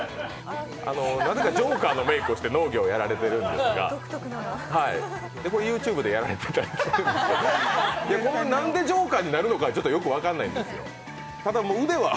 なぜかジョーカーのメークをしてこれＹｏｕＴｕｂｅでやられてるんですけど何でジョーカーになるのかよく分からないんですよ。